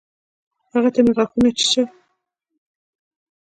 هغوى ته مې غاښونه چيچل.